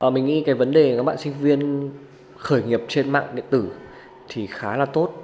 mình nghĩ cái vấn đề các bạn sinh viên khởi nghiệp trên mạng điện tử thì khá là tốt